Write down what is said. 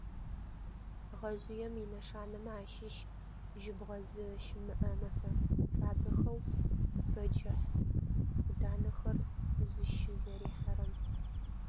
Гъэжъыем инэшанэмэ ащыщ жьыбгъэ зыщымыӏэ мэфэ фабэхэу бэджыхъ ӏуданэхэр зыщызэрихьэрэм.